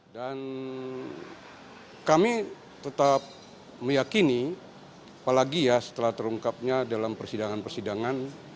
dan kami tetap meyakini apalagi ya setelah terungkapnya dalam persidangan persidangan